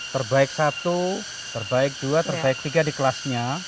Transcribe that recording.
terbaik satu terbaik dua terbaik tiga di kelasnya